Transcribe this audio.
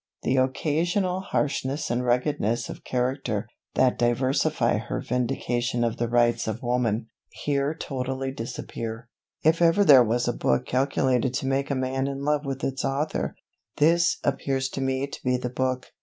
The occasional harshness and ruggedness of character, that diversify her Vindication of the Rights of Woman, here totally disappear. If ever there was a book calculated to make a man in love with its author, this appears to me to be the book.